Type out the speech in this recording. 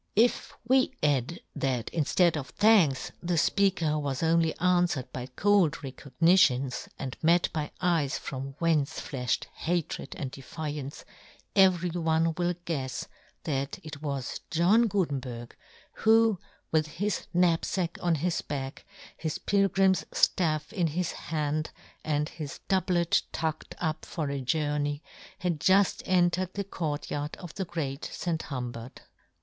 If we add that inftead of thanks the fpeaker was only anfwered by cold recogni tions, and met by eyes from whence flafhed hatred and defiance, every 1 1 82 yohn Gutenberg. one will guefs that it was John Gu tenberg, who, with his knapfack on his back, his pilgrim's ftafF in his hand, and his doublet tucked up for a journey, had juft entered the court yard of the Great St. Humbert.